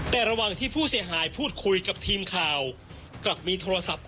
แต่ระหว่างที่ผู้เสียหายพูดคุยกับทีมข่าวกลับมีโทรศัพท์